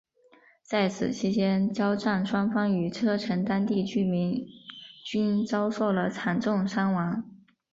在此期间交战双方与车臣当地居民均遭受了惨重伤亡。